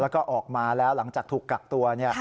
แล้วก็ออกมาแล้วหลังจากถูกกักตัว